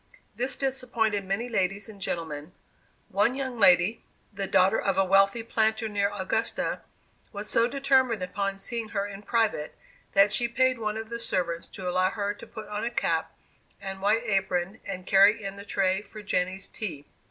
This disappointed many ladies and gentlemen. One young lady, the daughter of a wealthy planter near Augusta, was so determined upon seeing her in private, that she paid one of the servants to allow her to put on a cap and white apron, and carry in the tray for Jenny's tea.